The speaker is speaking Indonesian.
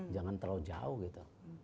jangan terlalu jauh gitu